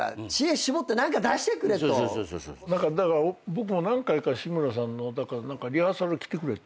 僕も何回か志村さんのリハーサル来てくれって。